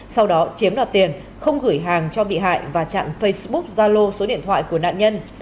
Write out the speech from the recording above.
sau đó chiếm đoạt tiền không gửi hàng cho bị hại và chặn facebook gia lô số điện thoại của nạn nhân